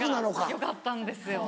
よかったんですよ！